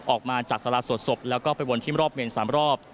ออกมาจากสาราสวดศพแล้วก็ไปวนที่รอบเมน๓รอบ